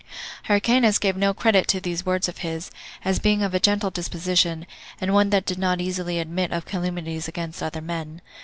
Hyrcanus gave no credit to these words of his, as being of a gentle disposition, and one that did not easily admit of calumnies against other men.